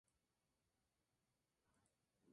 Habita los ríos de aguas calmas.